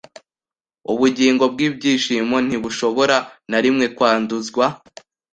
Ubugingo bwibyishimo ntibushobora na rimwe kwanduzwa